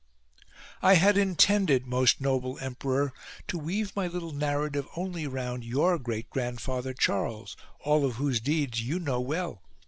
1 6. I had intended, most noble emperor, to weave my little narrative only round your great grandfather Charles, all of whose deeds you know 142 CHARLES AND THE LOMBARDS well.